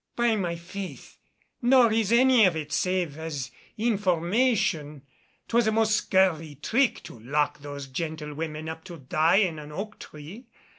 "By my faith! Nor is any of it, save as information. 'Twas a most scurvy trick to lock those gentlewomen up to die in an oak tree.